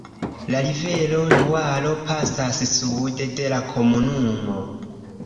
La rivero Luaro pasas sude de la komunumo.